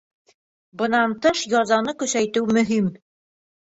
Бынан тыш, язаны көсәйтеү мөһим.